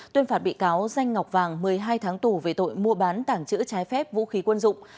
tuyên phạt bị cáo danh ngọc vàng một mươi hai tháng tù về tội mua bán tảng chữ trái phép vũ khí quân dụng